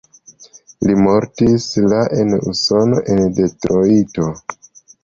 Li mortis la en Usono en Detrojto.